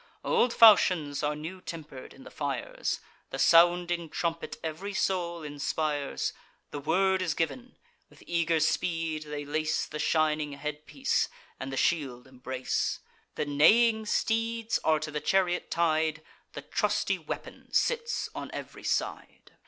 Old falchions are new temper'd in the fires; The sounding trumpet ev'ry soul inspires. The word is giv'n; with eager speed they lace The shining headpiece, and the shield embrace. The neighing steeds are to the chariot tied; The trusty weapon sits on ev'ry side.